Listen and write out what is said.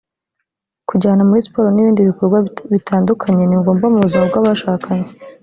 kujyana muri siporo n’ibindi bikorwa bitandukanye ni ngombwa mu buzima bw’abashakanye